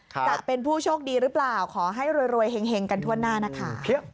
จะเป็นผู้โชคดีหรือเปล่าขอให้รวยเห็งกันทั่วหน้านะคะ